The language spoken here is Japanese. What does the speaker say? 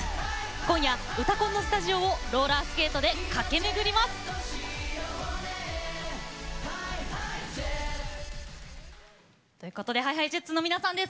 今夜「うたコン」のスタジオをローラースケートで駆け巡ります。ＨｉＨｉＪｅｔｓの皆さんです。